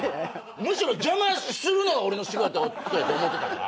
むしろ邪魔するのが俺の仕事やと思ってたから。